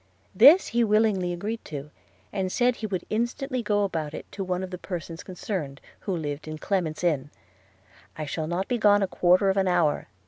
– This he willingly agreed to, and said he would instantly go about it to one of the persons concerned, who lived in Clement's Inn – 'I shall not be gone a quarter of an hour.'